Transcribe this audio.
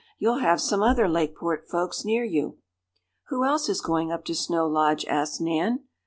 "You'll have some other Lakeport folks near you." "Who else is going up to Snow Lodge?" asked Nan.